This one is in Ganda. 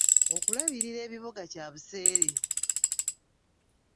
Okulabirira ebibuga kya buseere.